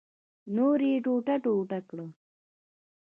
نور یې ټوټه ټوټه کړ.